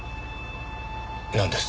なんです？